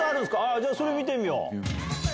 じゃあ、それ見てみよう。